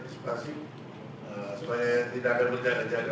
supaya tidak akan berjaga jaga